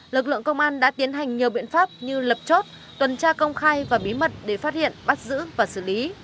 lực lượng công an đã tiến hành nhiều biện pháp như lập chốt tuần tra công khai và bí mật để phát hiện bắt giữ và xử lý